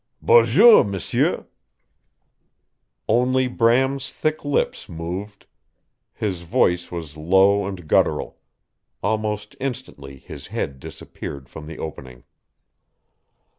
"Boo joo, m'sieu!" Only Bram's thick lips moved. His voice was low and guttural. Almost instantly his head disappeared from the opening.